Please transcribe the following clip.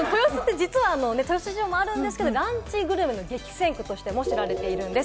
豊洲って実は豊洲市場もあるんですけれども、ランチグルメの激戦区としても知られているんです。